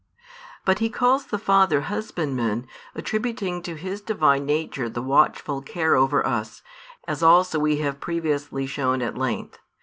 But He calls the Father Husbandman, attributing to His Divine Nature the watchful care over us, as also we have previously shown at length.